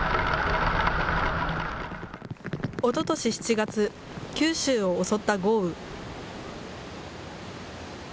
おととし７月、九州を襲った豪雨。